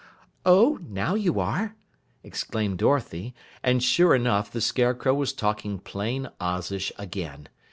"Oh, now you are!" exclaimed Dorothy. And sure enough, the Scarecrow was talking plain Ozish again.